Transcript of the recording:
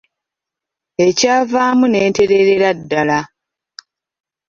Ekyavaamu ne ntereerera ddala.